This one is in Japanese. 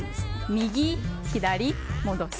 右左戻す。